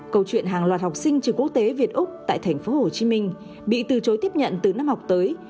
câu chuyện hàng loạt học sinh trường quốc tế việt úc tại thành phố hồ chí minh bị từ chối tiếp nhận từ năm học tới